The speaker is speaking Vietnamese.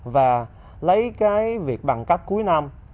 và lấy cái việc bằng cách cuối năm